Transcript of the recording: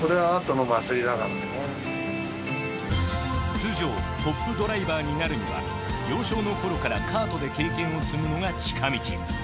通常トップドライバーになるには幼少の頃からカートで経験を積むのが近道。